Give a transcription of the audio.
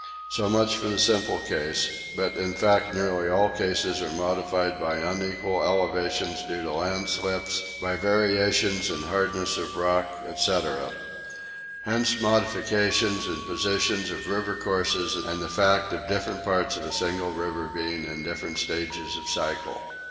So much for the simple case, but in fact nearly all cases are modified by unequal elevations due to landslips, by variation in hardness of rock, &c. Hence modification in positions of river courses and the fact of different parts of a single river being in different stages of cycle.